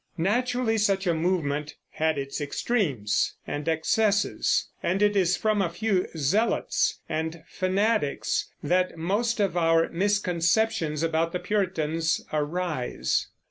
Naturally such a movement had its extremes and excesses, and it is from a few zealots and fanatics that most of our misconceptions about the Puritans arise.